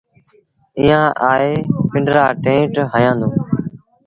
ايٚئآن آئي پنڊرآ ٽيٚنٽ هنيآندون۔